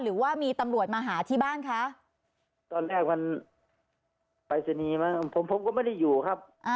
หรือว่ามีตำรวจมาหาที่บ้านคะตอนแรกมันปรายศนีย์ไหมผมผมก็ไม่ได้อยู่ครับ